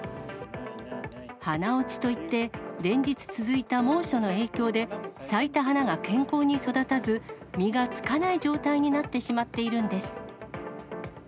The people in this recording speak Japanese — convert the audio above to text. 花落ちといって、連日続いた猛暑の影響で、咲いた花が健康に育たず、実がつかない状態になってしまっているんです。